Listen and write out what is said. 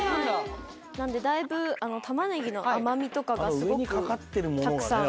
なのでだいぶ玉ねぎの甘味とかがすごくたくさん。